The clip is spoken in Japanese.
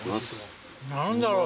何だろう